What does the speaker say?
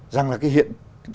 rằng là cái hiện